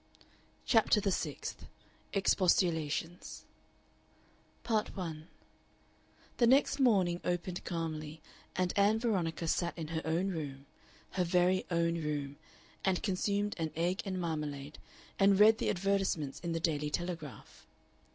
CHAPTER THE SIXTH EXPOSTULATIONS Part 1 The next morning opened calmly, and Ann Veronica sat in her own room, her very own room, and consumed an egg and marmalade, and read the advertisements in the Daily Telegraph.